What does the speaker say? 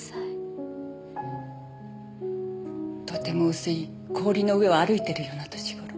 とても薄い氷の上を歩いているような年頃。